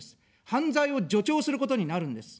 犯罪を助長することになるんです。